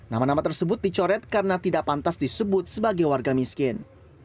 nama nama tersebut dicoret karena tidak pantas disebut sebagai warga miskin